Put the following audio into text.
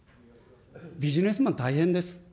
ビジネスマン、大変です。